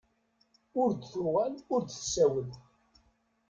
Ur d-tuɣal ur d-tsawel.